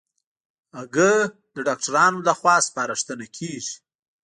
هګۍ د ډاکټرانو له خوا سپارښتنه کېږي.